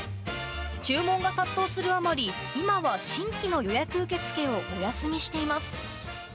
注文が殺到するあまり、今は新規の予約受け付けをお休みしています。